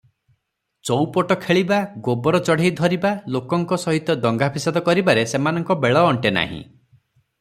ଚଉପଟ ଖେଳିବା, ଗୋବର ଚଢ଼େଇଧରିବା ଲୋକଙ୍କ ସହିତ ଦଙ୍ଗା ଫିସାଦ କରିବାରେ ସେମାନଙ୍କୁ ବେଳ ଅଣ୍ଟେ ନାହିଁ ।